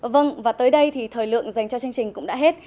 vâng và tới đây thì thời lượng dành cho chương trình cũng đã hết